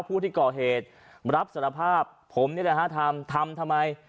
ผู้ที่ก่อเหตุรับสารภาพผมนี่แหละฮะทำทำทำไม